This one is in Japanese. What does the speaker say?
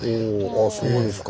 あそうですか。